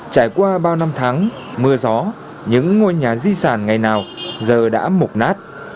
trải qua bao năm tháng mưa gió những ngôi nhà di sản ngày nào giờ đã mục nát